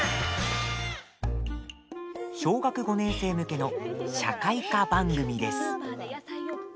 小学５年生向けの社会科番組です。